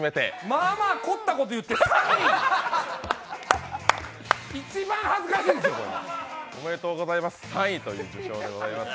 まあまあ凝ったこと言って３位一番恥ずかしいですよ、これ。